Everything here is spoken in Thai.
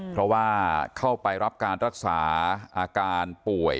เพราะว่าเข้าไปรับการรักษาอาการป่วย